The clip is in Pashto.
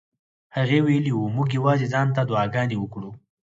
هغه ویلي وو موږ یوازې ځان ته دعاګانې وکړو.